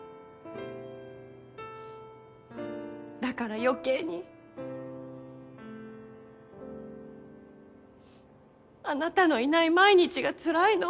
だから余計にあなたのいない毎日がつらいの。